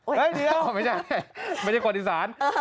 อ่ะเดี๋ยวไม่ใช่ไม่ใช่กว่าดิสารอ่า